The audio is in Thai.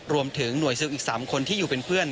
รวมถึงหน่วยซิลอีก๓คนที่อยู่เป็นเพื่อน